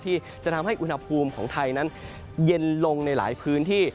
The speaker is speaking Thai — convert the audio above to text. ที่จะทำให้อุณหภูมิของไทยนั้นเย็นลงในหลายพื้นที่